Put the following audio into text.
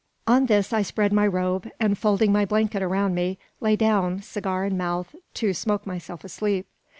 On this I spread my robe, and, folding my blanket around me, lay down, cigar in mouth, to smoke myself asleep.